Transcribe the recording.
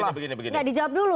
gak dijawab dulu